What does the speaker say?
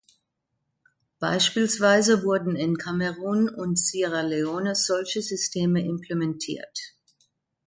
Beispielsweise wurden in Kamerun und Sierra Leone solche Systeme implementiert.